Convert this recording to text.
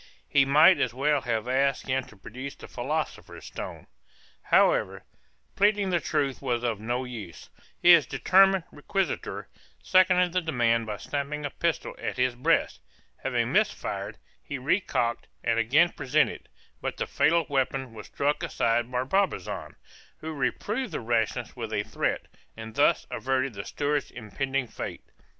He might as well have asked him to produce the philosopher's stone. However, pleading the truth was of no use; his determined requisitor seconded the demand by snapping a pistol at his breast; having missed fire, he recocked, and again presented; but the fatal weapon was struck aside by Barbazan, who reproved the rashness with a threat, and thus averted the steward's impending fate.